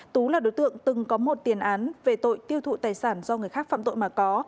tú là đối tượng từng có một tiền án về tội tiêu thụ tài sản do người khác phạm tội mà có